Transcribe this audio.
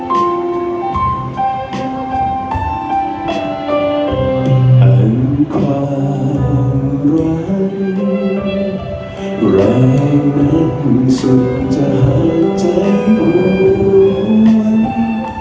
เห็นความร้อนร่างนั้นสุดจะหาใจห่วง